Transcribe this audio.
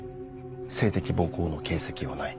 性的暴行の形跡はない。